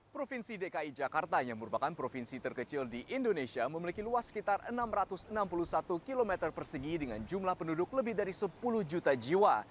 provinsi dki jakarta yang merupakan provinsi terkecil di indonesia memiliki luas sekitar enam ratus enam puluh satu km persegi dengan jumlah penduduk lebih dari sepuluh juta jiwa